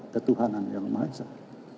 ketuhanan yang mahaj